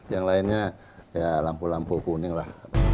yang lainnya ya lampu lampu kuning lah